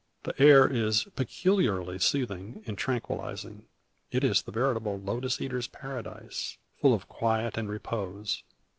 The air is peculiarly soothing and tranquillizing: it is the veritable lotos eater's paradise, full of quiet and repose.